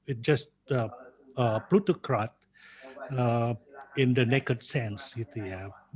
ini hanya plutokrati dalam pikiran yang berbunyi